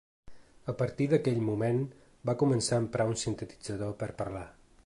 A partir d’aquell moment, va començar a emprar un sintetitzador per parlar.